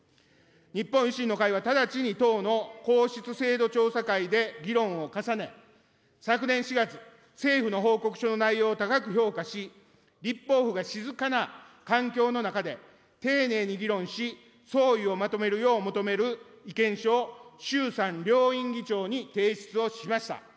日本維新の会は直ちに党の皇室制度調査会で議論を重ね、昨年４月、政府の報告書の内容を高く評価し、立法府が静かな環境の中で丁寧に議論し、総意をまとめるよう求める意見書を衆参両院議長に提出をしました。